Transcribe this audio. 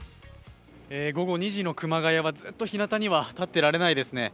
午後２時の熊谷はずっとひなたには立っていられないですね。